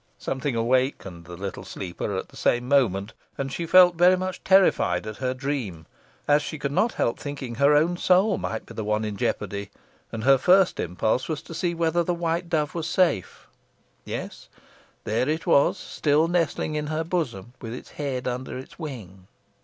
Something awakened the little sleeper at the same moment, and she felt very much terrified at her dream, as she could not help thinking her own soul might be the one in jeopardy, and her first impulse was to see whether the white dove was safe. Yes, there it was still nestling in her bosom, with its head under its wing.